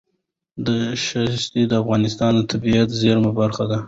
ښتې د افغانستان د طبیعي زیرمو برخه ده.